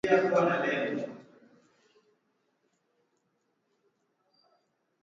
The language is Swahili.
Vikosi vya Marekani vilivyopewa jukumu la kukabiliana na kundi la kigaidi la al-Shabab